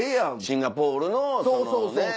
シンガポールのそのねっ。